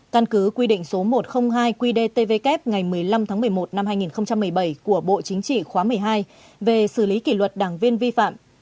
căn cứ quy định số một trăm linh hai qdtvk ngày một mươi năm tháng một mươi một năm hai nghìn một mươi bảy của bộ chính trị khóa một mươi hai về xử lý kỷ luật đảng viên vi phạm